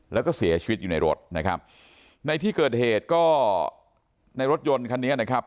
แล้วก็เสียชีวิตอยู่ในรถนะครับในที่เกิดเหตุก็ในรถยนต์คันนี้นะครับ